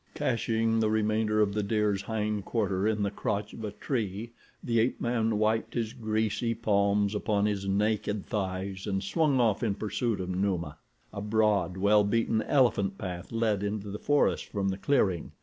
Caching the remainder of the deer's hind quarter in the crotch of a tree the ape man wiped his greasy palms upon his naked thighs and swung off in pursuit of Numa. A broad, well beaten elephant path led into the forest from the clearing.